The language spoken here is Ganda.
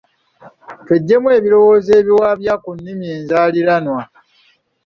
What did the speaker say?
Tweggyemu ebirowoozo ebiwabya ku nnimi enzaaliranwa.